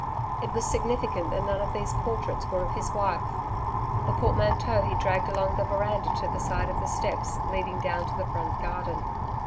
It was significant that none of these were portraits of his wife. The portmanteaux he dragged along the veranda to the side of the steps leading down to the front garden.